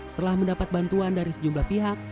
setelah mendapat bantuan dari sejumlah pihak